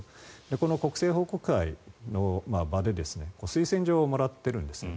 この国政報告会の場で推薦状をもらってるんですね。